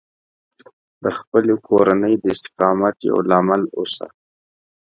د خپلې کورنۍ د استقامت یو لامل اوسه